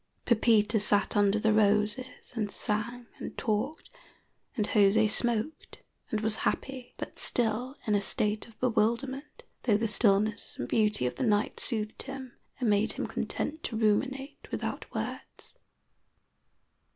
Pepita sat under the roses and sang and talked, and José smoked and was happy, but still in a state of bewilderment, though the stillness and beauty of the night soothed him and made him content to ruminate without words.